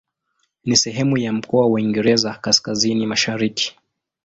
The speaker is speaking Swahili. Ni sehemu ya mkoa wa Uingereza Kaskazini-Mashariki.